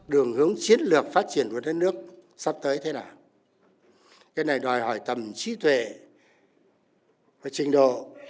đường hướng chiến lược phát triển của đất nước sắp tới thế nào cái này đòi hỏi tầm trí tuệ và trình độ